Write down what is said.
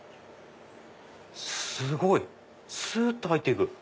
すごい！すっと入って行く。